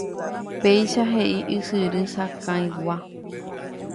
Péicha he'i Ysyry Sakãygua.